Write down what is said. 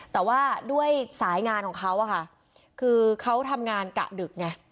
แต่ว่าด้วยสายงานของเขาอะค่ะคือเขาทำงานกะดึกไง